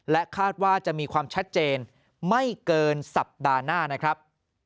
คาดว่าจะมีความชัดเจนไม่เกินสัปดาห์หน้านะครับ